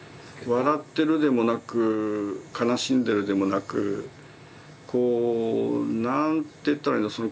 笑ってるでもなく悲しんでるでもなくこう何て言ったらいいんだろう